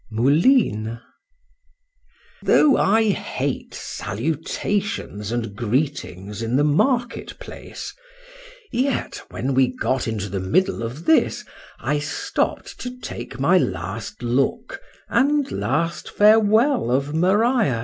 MOULINES. THOUGH I hate salutations and greetings in the market place, yet, when we got into the middle of this, I stopp'd to take my last look and last farewell of Maria.